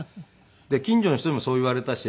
近所の人にもそう言われたし。